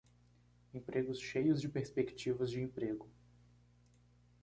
Empregos cheios de perspectivas de emprego